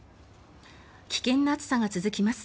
危険な暑さが続きます。